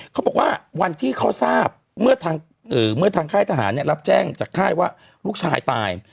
เขาบอกว่าวันที่เขาทราบเมื่อทางค่ายทหารรับแจ้งจากค่ายว่าลูกชายตาย